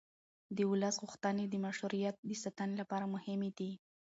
د ولس غوښتنې د مشروعیت د ساتنې لپاره مهمې دي